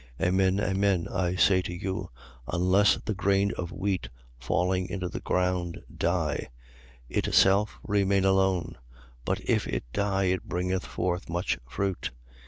12:24. Amen, amen, I say to you, unless the grain of wheat falling into the ground die, 12:25. Itself remaineth alone. But if it die it bringeth forth much fruit.